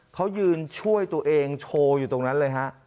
เขายืนช่วยตัวเองโชว์อยู่ตรงนั้นเลยฮะ